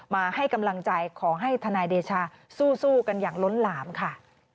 มาให้กำลังใจขอให้ทนายเดชาสู้กันอย่างล้นหลามค่ะ